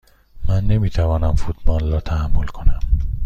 من نمی توانم فوتبال را تحمل کنم.